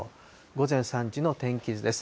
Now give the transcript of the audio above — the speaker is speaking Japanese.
午前３時の天気図です。